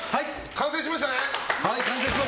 完成しました！